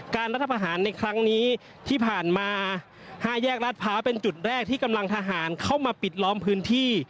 รัฐประหารในครั้งนี้ที่ผ่านมา๕แยกรัฐพร้าวเป็นจุดแรกที่กำลังทหารเข้ามาปิดล้อมพื้นที่